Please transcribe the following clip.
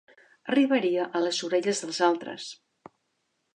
Arribaria a les orelles dels altres.